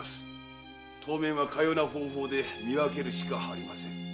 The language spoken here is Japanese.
当面はかような方法で見分けるしかありません。